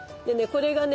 これがね